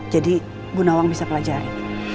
jadi ibu nawang bisa pelajari